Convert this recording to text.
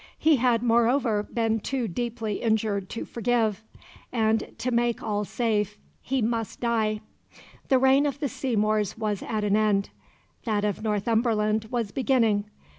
He had moreover been too deeply injured to forgive; and, to make all safe, he must die. The reign of the Seymours was at an end; that of Northumberland was beginning.